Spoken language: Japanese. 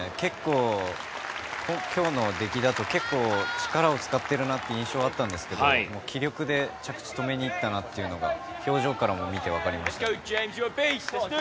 今日の出来だと結構、力を使っている印象があったんですけど気力で着地を止めにいったのが表情からも見て分かりました。